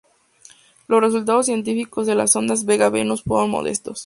Los resultados científicos de las sondas Vega Venus fueron modestos.